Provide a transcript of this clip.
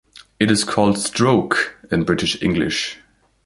It is called stroke in British English.